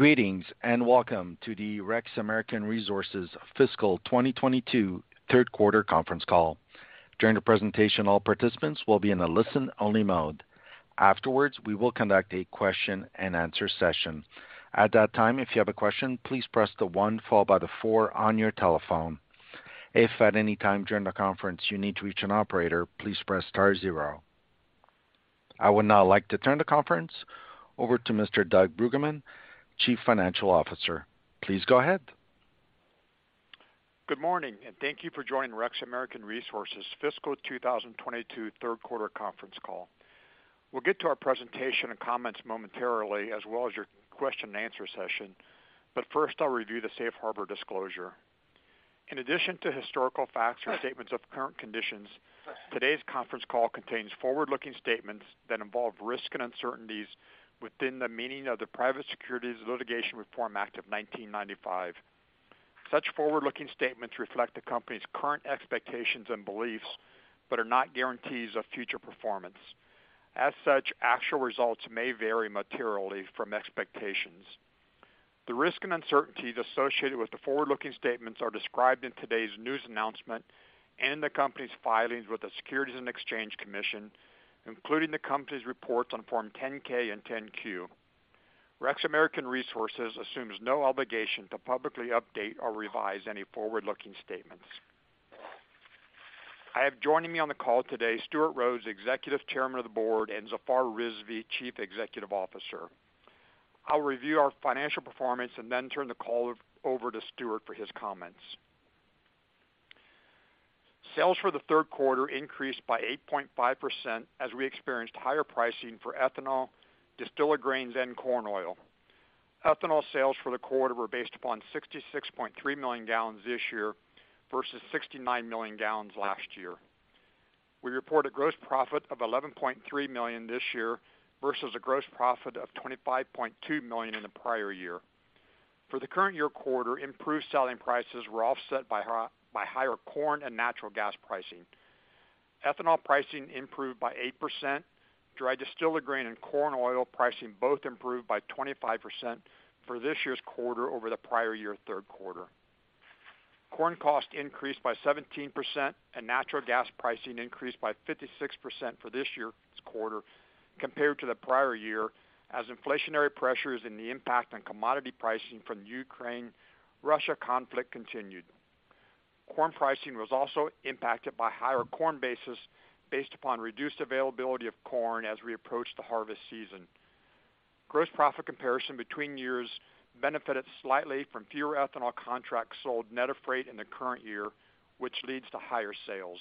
Greetings, and welcome to the REX American Resources Fiscal 2022 Third Quarter Conference Call. During the presentation, all participants will be in a listen-only mode. Afterwards, we will conduct a question-and-answer session. At that time, if you have a question, please press the one followed by the four on your telephone. If at any time during the conference you need to reach an operator, please press star zero. I would now like to turn the conference over to Mr. Douglas Bruggeman, Chief Financial Officer. Please go ahead. Good morning, thank you for joining REX American Resources Fiscal 2022 third quarter conference call. We'll get to our presentation and comments momentarily as well as your question-and-answer session, but first I'll review the safe harbor disclosure. In addition to historical facts or statements of current conditions, today's conference call contains forward-looking statements that involve risks and uncertainties within the meaning of the Private Securities Litigation Reform Act of 1995. Such forward-looking statements reflect the company's current expectations and beliefs, but are not guarantees of future performance. As such, actual results may vary materially from expectations. The risks and uncertainties associated with the forward-looking statements are described in today's news announcement and in the company's filings with the Securities and Exchange Commission, including the company's reports on Form 10-K and 10-Q. REX American Resources assumes no obligation to publicly update or revise any forward-looking statements. I have joining me on the call today Stuart Rose, Executive Chairman of the Board, and Zafar Rizvi, Chief Executive Officer. I'll review our financial performance and then turn the call over to Stuart for his comments. Sales for the third quarter increased by 8.5% as we experienced higher pricing for ethanol, distillers grains, and corn oil. Ethanol sales for the quarter were based upon 66.3 million gallons this year versus 69 million gallons last year. We report a gross profit of $11.3 million this year versus a gross profit of $25.2 million in the prior year. For the current year quarter, improved selling prices were offset by higher corn and natural gas pricing. Ethanol pricing improved by 8%. Dried distillers grains and corn oil pricing both improved by 25% for this year's quarter over the prior year third quarter. Corn cost increased by 17%, and natural gas pricing increased by 56% for this year's quarter compared to the prior year, as inflationary pressures and the impact on commodity pricing from the Ukraine-Russia conflict continued. Corn pricing was also impacted by higher corn basis based upon reduced availability of corn as we approach the harvest season. Gross profit comparison between years benefited slightly from fewer ethanol contracts sold net of freight in the current year, which leads to higher sales.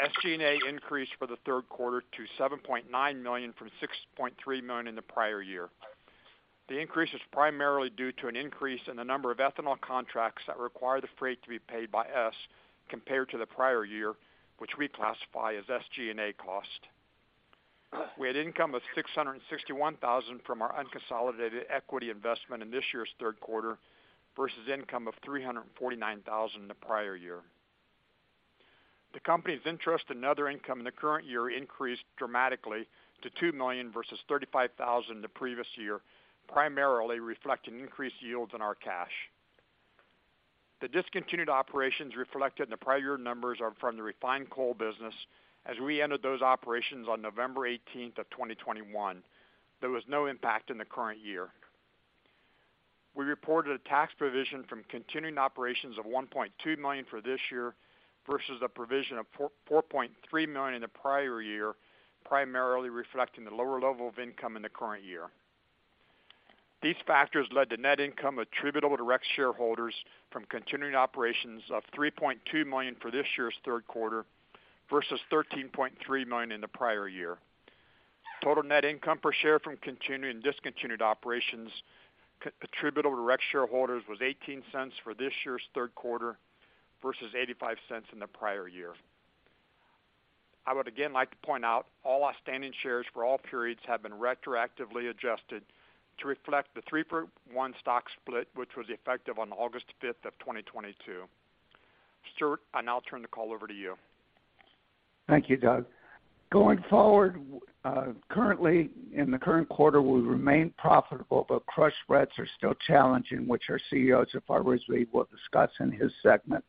SG&A increased for the third quarter to $7.9 million from $6.3 million in the prior year. The increase is primarily due to an increase in the number of ethanol contracts that require the freight to be paid by us compared to the prior year, which we classify as SG&A cost. We had income of $661,000 from our unconsolidated equity investment in this year's third quarter versus income of $349,000 in the prior year. The company's interest and other income in the current year increased dramatically to $2 million versus $35,000 the previous year, primarily reflecting increased yields in our cash. The discontinued operations reflected in the prior year numbers are from the refined coal business as we ended those operations on November 18, 2021. There was no impact in the current year. We reported a tax provision from continuing operations of $1.2 million for this year versus a provision of $4.3 million in the prior year, primarily reflecting the lower level of income in the current year. These factors led to net income attributable to REX shareholders from continuing operations of $3.2 million for this year's third quarter versus $13.3 million in the prior year. Total net income per share from continuing discontinued operations attributable to REX shareholders was $0.18 for this year's third quarter versus $0.85 in the prior year. I would again like to point out all outstanding shares for all periods have been retroactively adjusted to reflect the three-for-one stock split, which was effective on August 5th of 2022. Stuart, I now turn the call over to you. Thank you, Doug. Going forward, currently in the current quarter, we remain profitable, but crush spreads are still challenging, which our CEO, Zafar Rizvi, will discuss in his segment.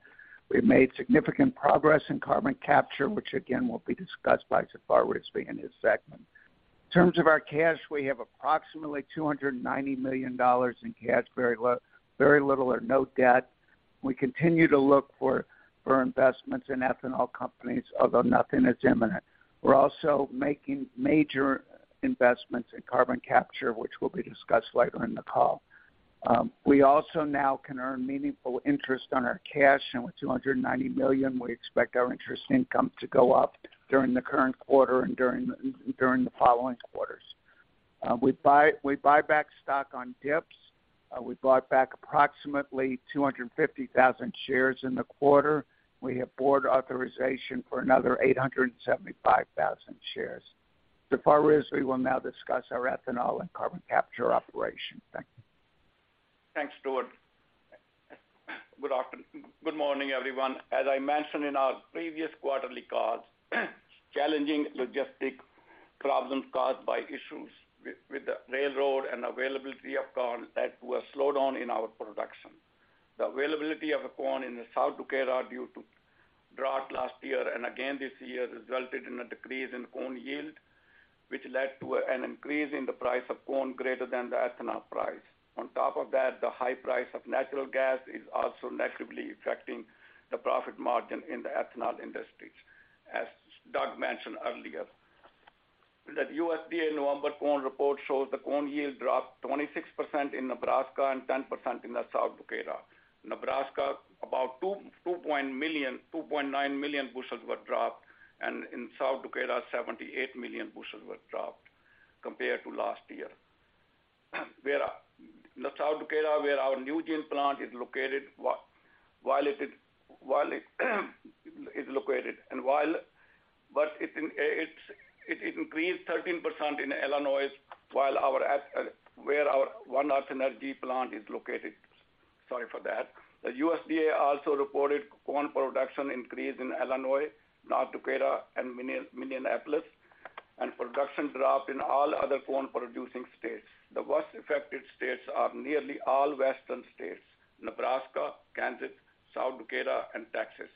We've made significant progress in carbon capture, which again will be discussed by Zafar Rizvi in his segment. In terms of our cash, we have approximately $290 million in cash, very little or no debt. We continue to look for investments in ethanol companies, although nothing is imminent. We're also making major investments in carbon capture, which will be discussed later in the call. We also now can earn meaningful interest on our cash, and with $290 million, we expect our interest income to go up during the current quarter and during the following quarters. We buy back stock on dips. We bought back approximately 250,000 shares in the quarter. We have board authorization for another 875,000 shares. Zafar Rizvi will now discuss our ethanol and carbon capture operation. Thank you. Thanks, Stuart. Good morning, everyone. As I mentioned in our previous quarterly calls, challenging logistic problems caused by issues with the railroad and availability of corn that were slowed down in our production. The availability of corn in the South Dakota due to drought last year and again this year resulted in a decrease in corn yield, which led to an increase in the price of corn greater than the ethanol price. On top of that, the high price of natural gas is also negatively affecting the profit margin in the ethanol industry, as Doug mentioned earlier. The USDA November corn report shows the corn yield dropped 26% in Nebraska and 10% in the South Dakota. Nebraska, about 2.9 million bushels were dropped, and in South Dakota, 78 million bushels were dropped compared to last year. In South Dakota, where our NuGen Energy plant is located, it increased 13% in Illinois where our One Earth Energy plant is located. Sorry for that. The USDA also reported corn production increase in Illinois, North Dakota, and Minneapolis, and production dropped in all other corn-producing states. The worst affected states are nearly all western states, Nebraska, Kansas, South Dakota, and Texas.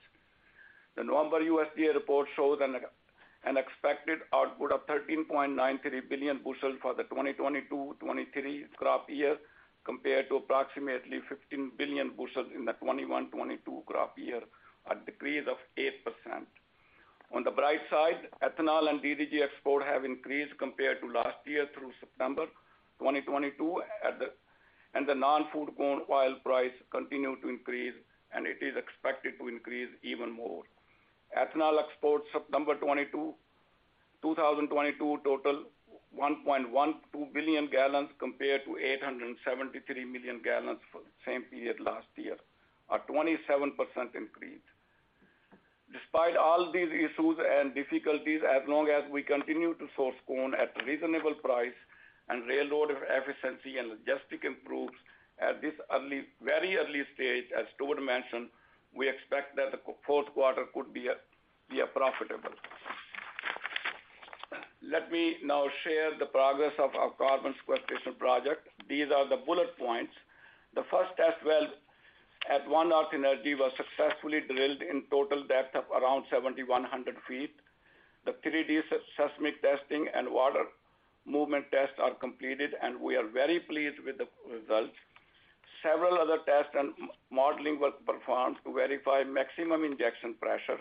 The November USDA report shows an expected output of 13.93 billion bushels for the 2022, 2023 crop year compared to approximately 15 billion bushels in the 2021, 2022 crop year, a decrease of 8%. On the bright side, ethanol and DDG export have increased compared to last year through September 2022 at the. The non-food corn oil price continued to increase, and it is expected to increase even more. Ethanol exports September 2022 total 1.12 billion gallons compared to 873 million gallons for the same period last year, a 27% increase. Despite all these issues and difficulties, as long as we continue to source corn at reasonable price and railroad efficiency and logistic improves at this very early stage, as Stuart mentioned, we expect that the fourth quarter could be profitable. Let me now share the progress of our carbon sequestration project. These are the bullet points. The first test well at One Earth Energy was successfully drilled in total depth of around 7,100 feet. The 3D seismic testing and water movement tests are completed, and we are very pleased with the results. Several other tests and modeling were performed to verify maximum injection pressure,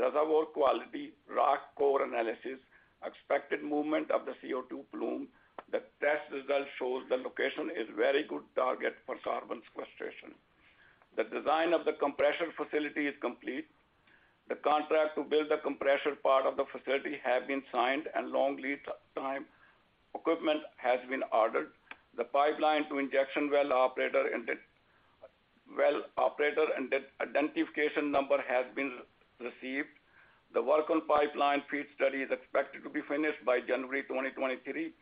reservoir quality, rock core analysis, expected movement of the CO₂ plume. The test results shows the location is very good target for carbon sequestration. The design of the compression facility is complete. The contract to build the compression part of the facility have been signed and long lead time equipment has been ordered. The pipeline to injection well operator identification number has been received. The work on pipeline FEED study is expected to be finished by January 2023.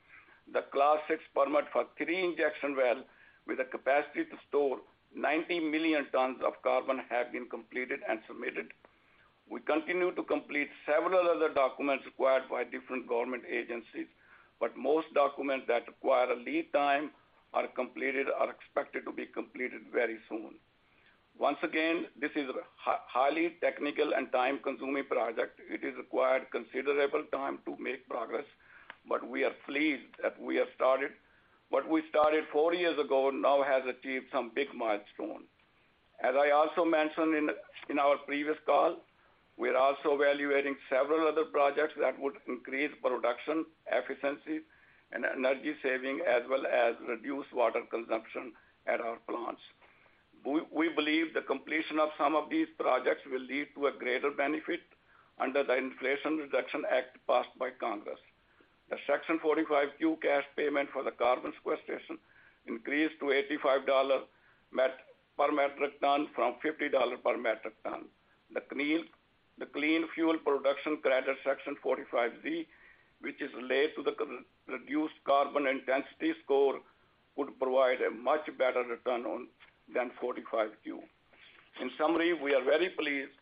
The Class VI permit for three injection well with a capacity to store 90 million tons of carbon have been completed and submitted. We continue to complete several other documents required by different government agencies, but most documents that require a lead time are completed or expected to be completed very soon. Once again, this is a highly technical and time-consuming project. It is required considerable time to make progress, but we are pleased that we have started. What we started 40 years ago now has achieved some big milestones. As I also mentioned in our previous call, we are also evaluating several other projects that would increase production, efficiency, and energy saving as well as reduce water consumption at our plants. We believe the completion of some of these projects will lead to a greater benefit under the Inflation Reduction Act passed by Congress. The Section 45Q cash payment for the carbon sequestration increased to $85 per metric ton from $50 per metric ton. The clean fuel production credit Section 45Z, which is related to the reduced Carbon Intensity score, would provide a much better return on than 45Q. In summary, we are very pleased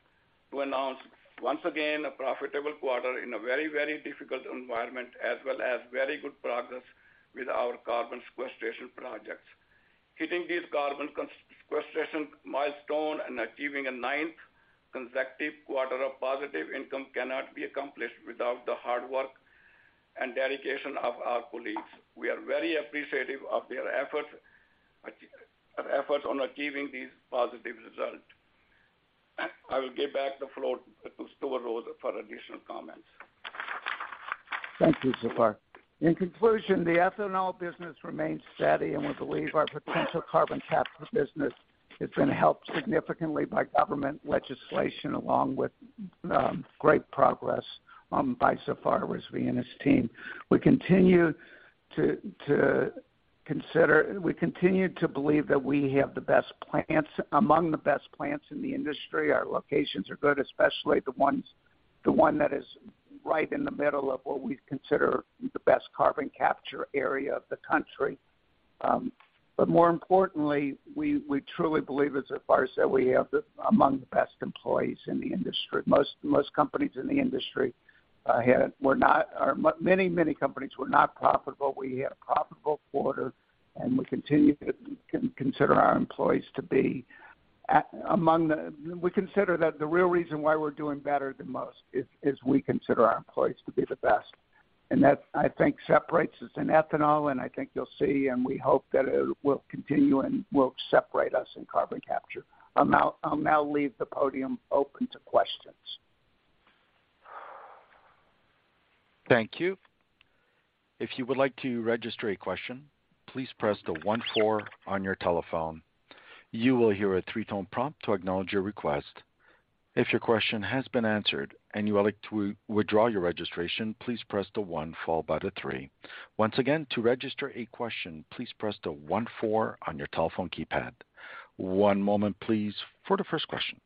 to announce once again a profitable quarter in a very difficult environment as well as very good progress with our carbon sequestration projects. Hitting these carbon sequestration milestone and achieving a ninth consecutive quarter of positive income cannot be accomplished without the hard work and dedication of our colleagues. We are very appreciative of their efforts on achieving these positive results. I will give back the floor to Stuart Rose for additional comments. Thank you, Zafar. In conclusion, the ethanol business remains steady, and we believe our potential carbon capture business is going to help significantly by government legislation along with great progress by Zafar Rizvi and his team. We continue to believe that we have among the best plants in the industry. Our locations are good, especially the one that is right in the middle of what we consider the best carbon capture area of the country. More importantly, we truly believe as Zafar that we have among the best employees in the industry. Most companies in the industry, were not or many companies were not profitable. We had a profitable quarter. We consider that the real reason why we're doing better than most is we consider our employees to be the best. That, I think, separates us in ethanol, and I think you'll see, and we hope that it will continue and will separate us in carbon capture. I'll now leave the podium open to questions. Thank you. If you would like to register a question, please press the one four on your telephone. You will hear a three tone prompt to acknowledge your request. If your question has been answered and you would like to withdraw your registration, please press the one followed by the three. Once again, to register a question, please press the one four on your telephone keypad. One moment please for the first question.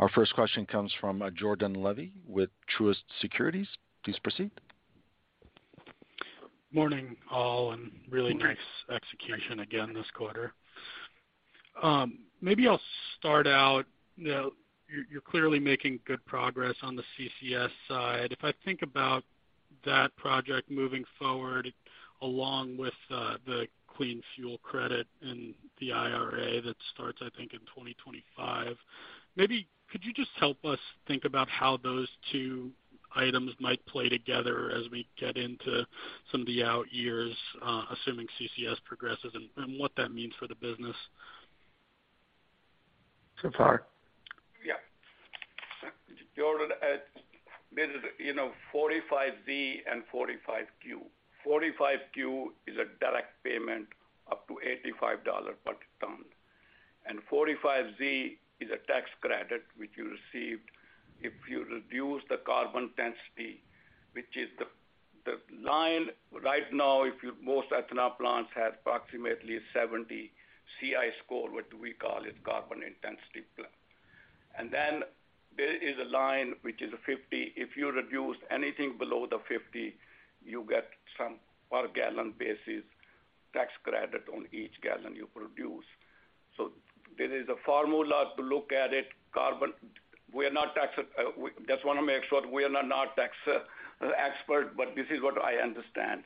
Our first question comes from Jordan Levy with Truist Securities. Please proceed. Morning, all, and really nice execution again this quarter. Maybe I'll start out. Now, you're clearly making good progress on the CCS side. If I think about that project moving forward, along with the clean fuel credit and the IRA that starts, I think, in 2025, maybe could you just help us think about how those two items might play together as we get into some of the out years, assuming CCS progresses and what that means for the business? Zafar. Yeah. Jordan, this is, you know, Section 45Z and 45Q. 45Q is a direct payment up to $85 per ton. Section 45Z is a tax credit, which you receive if you reduce the carbon intensity, which is the line right now, most ethanol plants have approximately 70 CI score, what we call it, carbon intensity plan. There is a line which is a 50. If you reduce anything below the 50, you get some per gallon basis tax credit on each gallon you produce. There is a formula to look at it. We are not tax. We just wanna make sure we are not tax expert, but this is what I understand.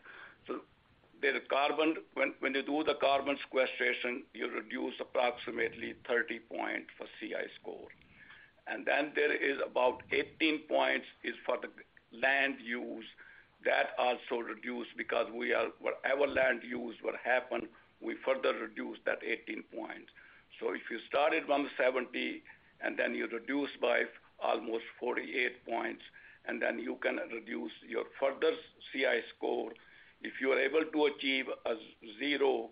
There's carbon. When you do the carbon sequestration, you reduce approximately 30.4 CI score. There is about 18 points is for the land use. That also reduce because we are our land use, what happened, we further reduced that 18 points. If you started from 70, and then you reduce by almost 48 points, and then you can reduce your further CI score. If you are able to achieve a zero,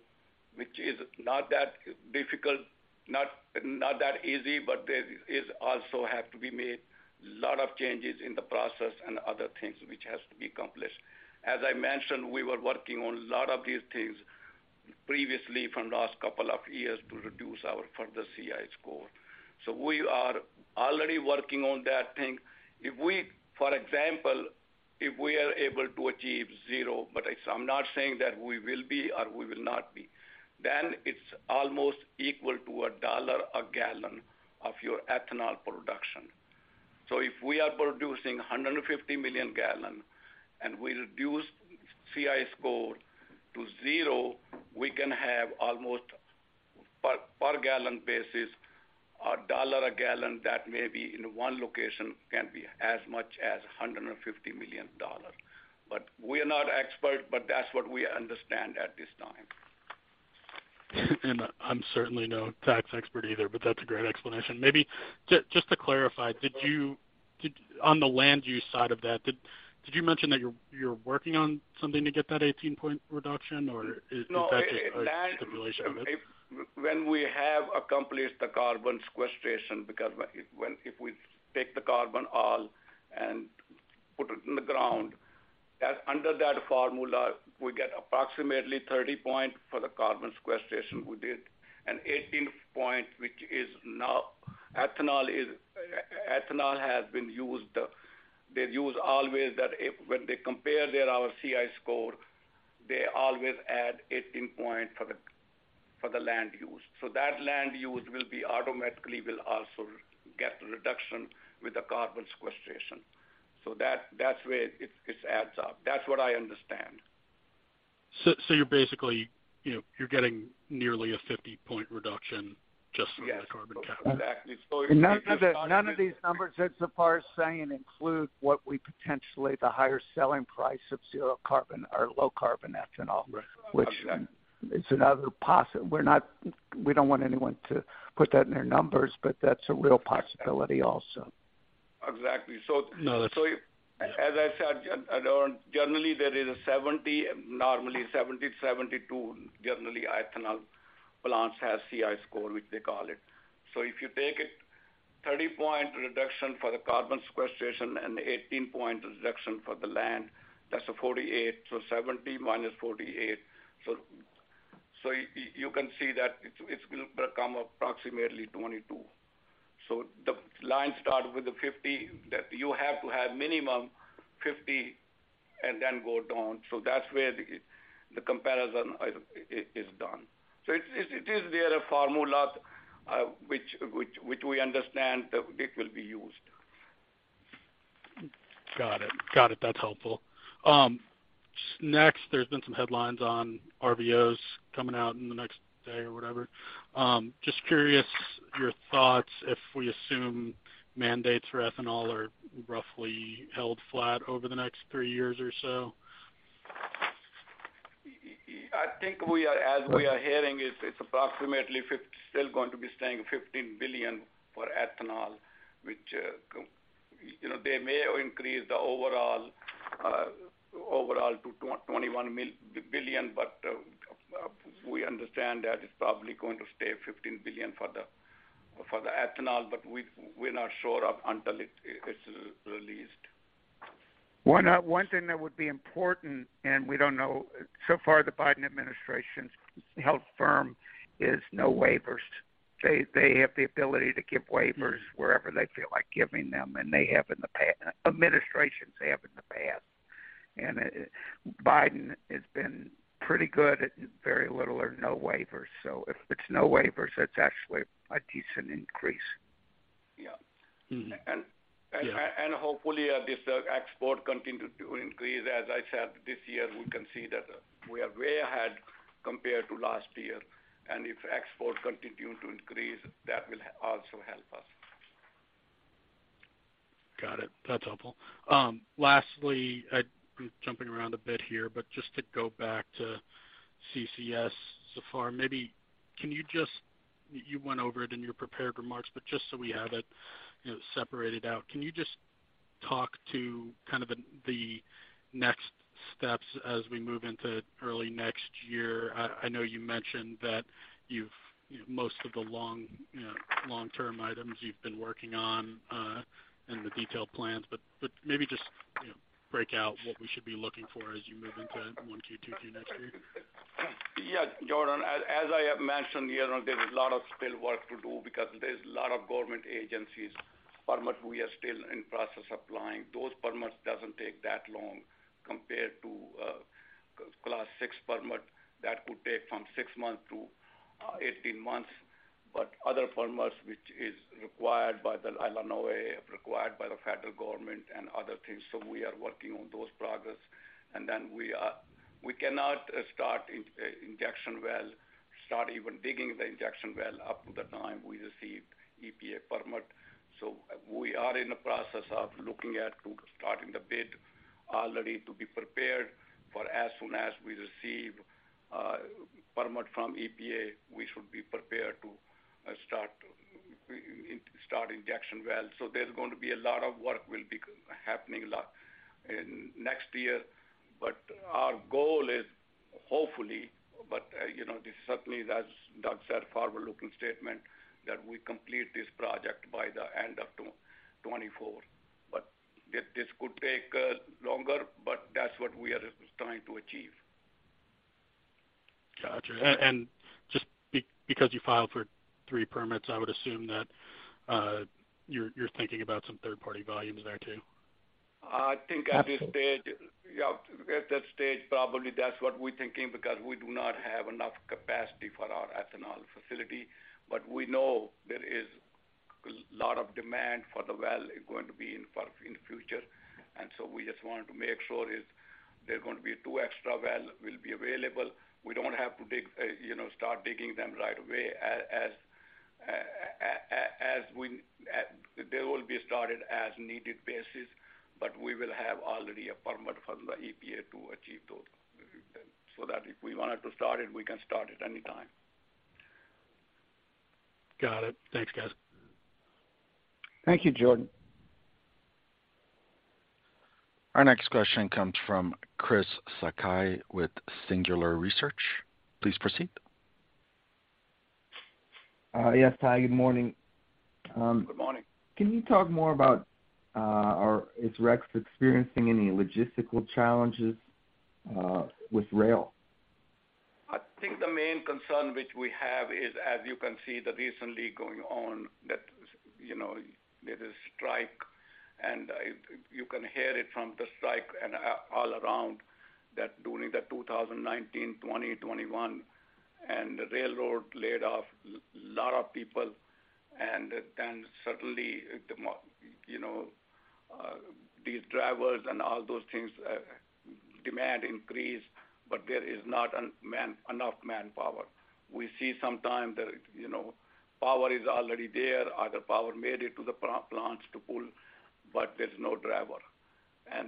which is not that difficult, not that easy, but there is also have to be made a lot of changes in the process and other things which has to be accomplished. As I mentioned, we were working on a lot of these things previously from last couple of years to reduce our further CI score. We are already working on that thing. If we, for example, if we are able to achieve zero, I'm not saying that we will be or we will not be, then it's almost equal to $1 a gallon of your ethanol production. If we are producing 150 million gallons and we reduce CI score to zero, we can have almost per gallon basis, $1 a gallon that maybe in one location can be as much as $150 million. We are not expert, but that's what we understand at this time. I'm certainly no tax expert either, but that's a great explanation. Maybe just to clarify, did you on the land use side of that, did you mention that you're working on something to get that 18-point reduction or is that just a stipulation of it? No. When we have accomplished the carbon sequestration, because if we take the carbon all and put it in the ground, that under that formula, we get approximately 30 points for the carbon sequestration we did. 18 points, which is now ethanol has been used. They've used always that when they compare their our CI score, they always add 18 points for the land use. That land use will be automatically will also get the reduction with the carbon sequestration. That's where it adds up. That's what I understand. You're basically, you know, you're getting nearly a 50-point reduction just from the Carbon Capture. Yes, exactly. None of these, none of these numbers that Zafar is saying include what we potentially the higher selling price of zero carbon or low carbon ethanol. Right. it's another We don't want anyone to put that in their numbers, but that's a real possibility also. Exactly. No, that's- As I said, you know, generally there is a 70, normally 70-72, generally ethanol plants have CI score, which they call it. If you take it 30 point reduction for the carbon sequestration and 18 point reduction for the land. That's a 48. 70-48. You can see that it's gonna become approximately 22. The line start with the 50 that you have to have minimum 50 and then go down. That's where the comparison is done. It is there a formula which we understand that it will be used. Got it. Got it. That's helpful. Next, there's been some headlines on RVOs coming out in the next day or whatever. Just curious your thoughts if we assume mandates for ethanol are roughly held flat over the next three years or so. I think we are hearing, it's approximately still going to be staying $15 billion for ethanol, which, you know, they may increase the overall to $21 billion. We understand that it's probably going to stay $15 billion for the ethanol, but we're not sure of until it's released. One thing that would be important, and we don't know so far the Biden administration's held firm, is no waivers. They have the ability to give waivers wherever they feel like giving them, and administrations have in the past. Biden has been pretty good at very little or no waivers. If it's no waivers, that's actually a decent increase. Yeah. Mm-hmm. Yeah. Hopefully, this export continue to increase. As I said, this year, we can see that we are way ahead compared to last year. If export continue to increase, that will also help us. Got it. That's helpful. Lastly, I'm jumping around a bit here, but just to go back to CCS Zafar, maybe can you just you went over it in your prepared remarks, but just so we have it, you know, separated out. Can you just talk to kind of the next steps as we move into early next year? I know you mentioned that you've, you know, most of the long, you know, long-term items you've been working on, and the detailed plans, but maybe just, you know, break out what we should be looking for as you move into 1Q, 2Q next year. Yeah, Jordan, as I have mentioned, you know, there's a lot of still work to do because there's a lot of government agencies permits we are still in process applying. Those permits doesn't take that long compared to Class VI permit that could take from six months to 18 months. Other permits, which is required by the Illinois, required by the federal government and other things. We are working on those progress. We cannot start injection well, start even digging the injection well up to the time we receive EPA permit. We are in the process of looking at to starting the bid already to be prepared for as soon as we receive permit from EPA, we should be prepared to start injection well. There's going to be a lot of work will be happening a lot in next year. Our goal is hopefully, but, you know, this certainly that's our forward-looking statement that we complete this project by the end of 2024. This could take longer, but that's what we are trying to achieve. Got you. Just because you filed for three permits, I would assume that you're thinking about some third-party volumes there too. I think at this stage, yeah, at that stage, probably that's what we're thinking because we do not have enough capacity for our ethanol facility. We know there is a lot of demand for the well going to be in the future. We just wanted to make sure is there going to be two extra well will be available. We don't have to dig, you know, start digging them right away. They will be started as needed basis, but we will have already a permit from the EPA to achieve those. If we wanted to start it, we can start it anytime. Got it. Thanks, guys. Thank you, Jordan. Our next question comes from Chris Sakai with Singular Research. Please proceed. Yes. Hi, good morning. Good morning. Can you talk more about, or is REX experiencing any logistical challenges, with rail? I think the main concern which we have is, as you can see, the recently going on that, you know, there is strike, and you can hear it from the strike and all around that during the 2019, 2020, 2021, the railroad laid off lot of people. Then suddenly, you know, these drivers and all those things, demand increase, but there is not enough manpower. We see sometimes that, you know, power is already there, or the power made it to the pro-plants to pull, but there's no driver.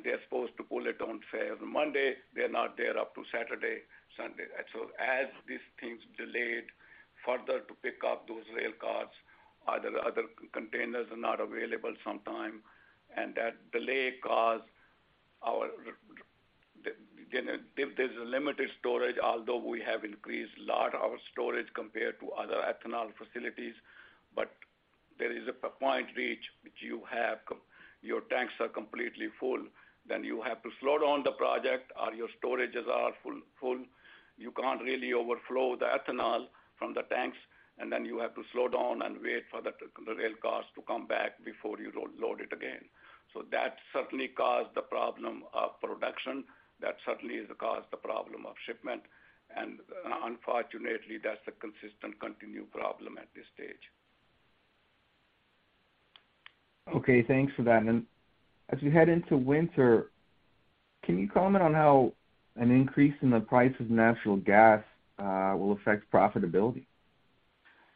They're supposed to pull it on, say, every Monday, they're not there up to Saturday, Sunday. So as these things delayed further to pick up those rail cars, either other containers are not available sometime. That delay caused If there's a limited storage, although we have increased lot of storage compared to other ethanol facilities, but there is a point reach which your tanks are completely full, then you have to slow down the project or your storages are full. You can't really overflow the ethanol from the tanks, and then you have to slow down and wait for the rail cars to come back before you load it again. That certainly caused the problem of production. That certainly has caused the problem of shipment, and, unfortunately, that's the consistent continued problem at this stage. Okay, thanks for that. As we head into winter, can you comment on how an increase in the price of natural gas will affect profitability?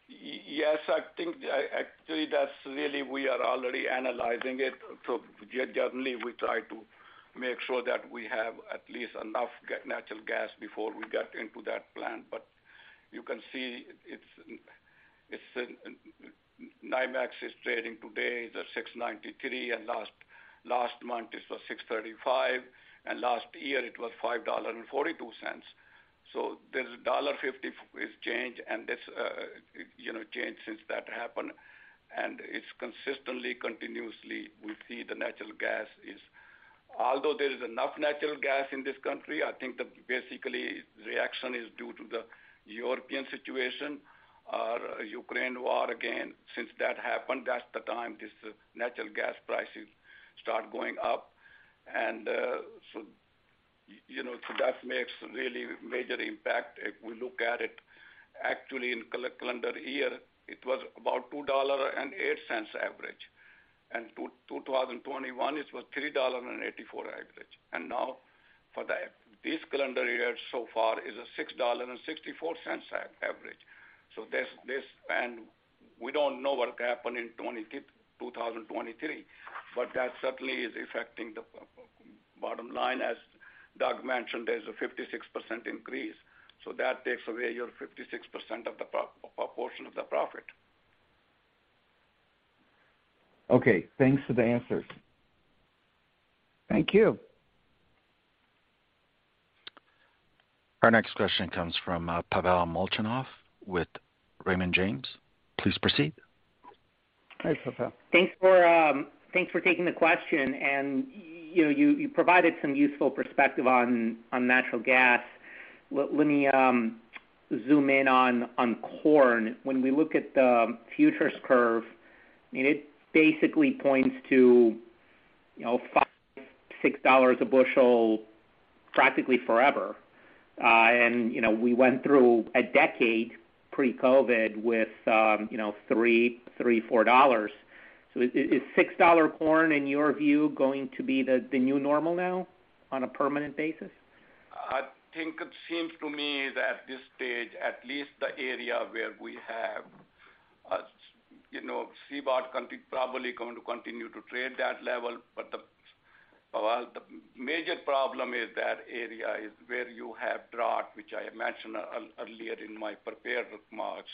Yes, I think, actually that's really we are already analyzing it. Generally, we try to make sure that we have at least enough natural gas before we get into that plan. But you can see it's, NYMEX is trading today the $6.93, and last month it was $6.35, and last year it was $5.42. So there's a $1.50 is change, and this, you know, changed since that happened. It's consistently, continuously, we see the natural gas, although there is enough natural gas in this country, I think the basically reaction is due to the European situation or Ukraine war again. Since that happened, that's the time this natural gas prices start going up. You know, that makes really major impact. If we look at it actually in calendar year, it was about $2.08 average. 2021, it was $3.84 average. Now for the this calendar year so far is a $6.64 average. There's this, and we don't know what happened in 2023, but that certainly is affecting the bottom line. As Doug mentioned, there's a 56% increase, that takes away your 56% of the portion of the profit. Okay, thanks for the answers. Thank you. Our next question comes from Pavel Molchanov with Raymond James. Please proceed. Hi, Pavel. Thanks for taking the question. You know, you provided some useful perspective on natural gas. Let me zoom in on corn. When we look at the futures curve, I mean, it basically points to, you know, $5, $6 a bushel practically forever. You know, we went through a decade pre-COVID with, you know, $3, $4. Is $6 corn, in your view, going to be the new normal now on a permanent basis? I think it seems to me that at this stage, at least the area where we have, you know, CBOT probably going to continue to trade that level. Pavel, the major problem is that area is where you have drought, which I mentioned earlier in my prepared remarks.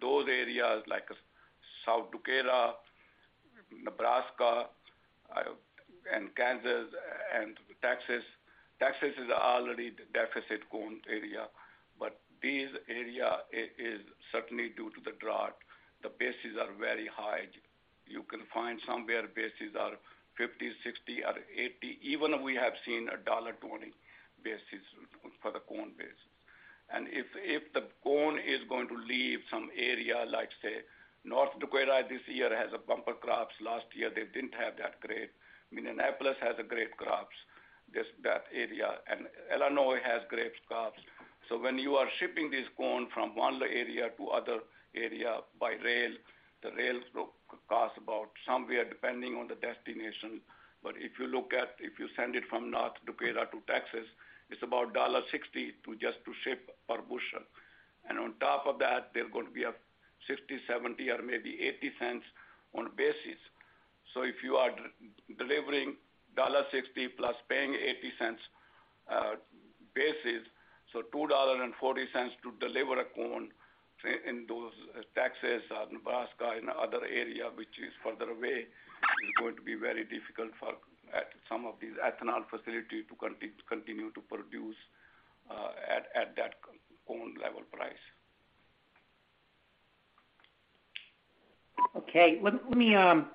Those areas like South Dakota, Nebraska, and Kansas and Texas. Texas is already the deficit corn area, these area is certainly due to the drought. The bases are very high. You can find somewhere bases are 50, 60 or 80. Even we have seen a $1.20 basis for the corn basis. If the corn is going to leave some area like, say, North Dakota this year has a bumper crops. Last year they didn't have that great. Minneapolis has a great crops, that area, and Illinois has great crops. When you are shipping this corn from one area to other area by rail, the rails will cost about somewhere depending on the destination. If you look at, if you send it from North Dakota to Texas, it's about $1.60 to just to ship per bushel. On top of that, there are going to be a $0.60, $0.70, or maybe $0.80 on basis. If you are delivering $1.60+ paying $0.80 basis, so $2.40 to deliver a corn in those Texas or Nebraska and other area which is further away, it's going to be very difficult for some of these ethanol facility to continue to produce at that corn level price. Okay. Let me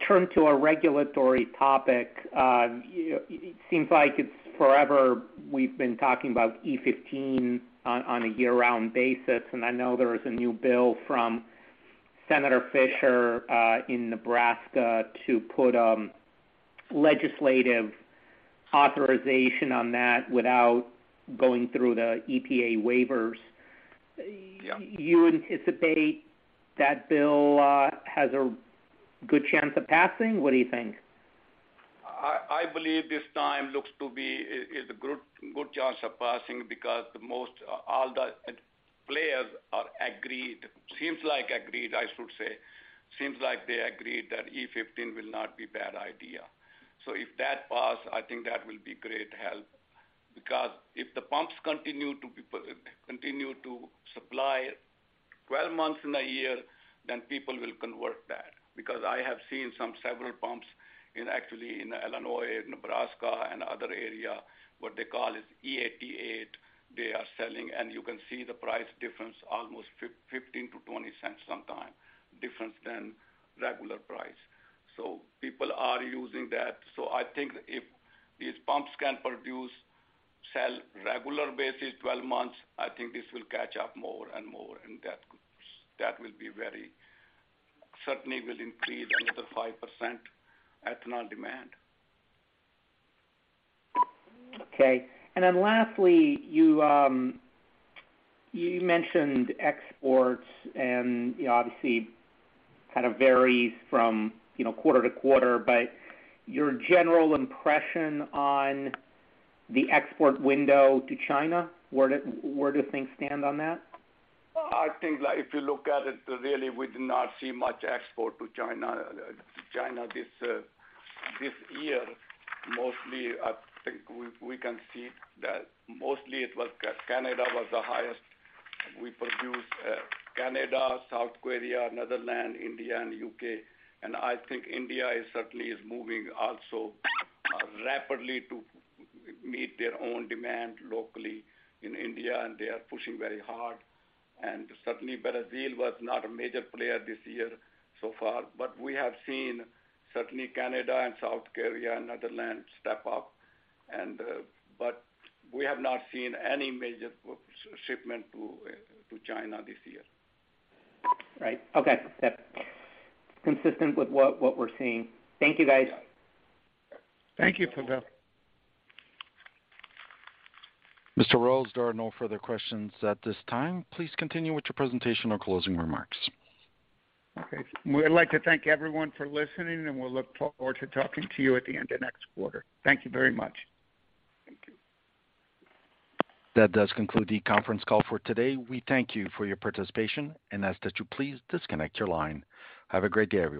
turn to a regulatory topic. You know, it seems like it's forever we've been talking about E15 on a year-round basis. I know there is a new bill from Deb Fischer in Nebraska to put legislative authorization on that without going through the EPA waivers. Yeah. You anticipate that bill, has a good chance of passing? What do you think? I believe this time looks to be is a good chance of passing because all the players are agreed, seems like agreed, I should say. Seems like they agreed that E15 will not be bad idea. If that pass, I think that will be great help. If the pumps continue to supply 12 months in a year, then people will convert that because I have seen some several pumps actually in Illinois, Nebraska, and other area, what they call is E88. They are selling, and you can see the price difference almost $0.15-$0.20 sometime different than regular price. People are using that. I think if these pumps can produce, sell regular basis 12 months, I think this will catch up more and more, and that will be certainly will increase another 5% ethanol demand. Okay. Then lastly, you mentioned exports and, you know, obviously kind of varies from, you know, quarter to quarter, but your general impression on the export window to China, where do things stand on that? I think that if you look at it, really, we did not see much export to China this year. Mostly, I think we can see that mostly it was Canada was the highest. We produce Canada, South Korea, Netherlands, India and U.K. I think India is certainly moving also rapidly to meet their own demand locally in India, and they are pushing very hard. Certainly Brazil was not a major player this year so far, but we have seen certainly Canada and South Korea and Netherlands step up. We have not seen any major shipment to China this year. Right. Okay. That's consistent with what we're seeing. Thank you, guys. Yeah. Thank you, Pavel. Stuart Rose, there are no further questions at this time. Please continue with your presentation or closing remarks. Okay. We'd like to thank everyone for listening, and we'll look forward to talking to you at the end of next quarter. Thank you very much. Thank you. That does conclude the conference call for today. We thank you for your participation and ask that you please disconnect your line. Have a great day, everyone.